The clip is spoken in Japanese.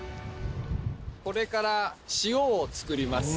これから塩を作ります。